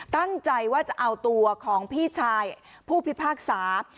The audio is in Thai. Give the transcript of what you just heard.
ตั้งใจว่าจะเอาตัวของพี่ชายผู้พิพากษา